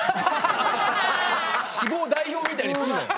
脂肪代表みたいにすんなよ。